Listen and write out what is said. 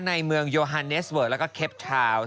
ในเมืองยูฮารเนซเวิร์ดและแคปทราวด์